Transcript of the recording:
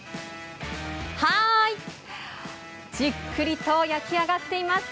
じっくりと焼き上がっています。